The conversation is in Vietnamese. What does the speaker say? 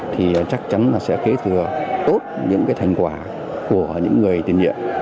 thì chắc chắn là sẽ kế thừa tốt những cái thành quả của những người tiền nhiệm